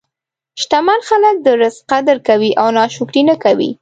شتمن خلک د رزق قدر کوي او ناشکري نه کوي.